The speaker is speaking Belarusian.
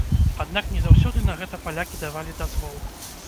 Аднак не заўсёды на гэта палякі давалі дазвол.